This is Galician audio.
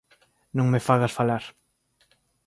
Non me fagas falar.